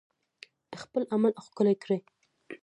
خپل عمل ښکلی کړئ